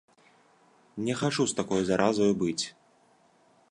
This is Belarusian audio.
Не хачу з такою заразаю быць!